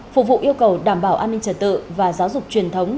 phục vụ yêu cầu đảm bảo an ninh trật tự và giáo dục truyền thống